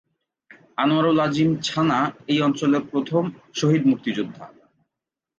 আনোয়ারুল আজিম ছানা এই অঞ্চলের প্রথম শহীদ মুক্তিযোদ্ধা।